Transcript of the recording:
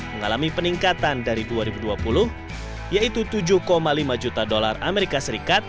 mengalami peningkatan dari dua ribu dua puluh yaitu tujuh lima juta dolar amerika serikat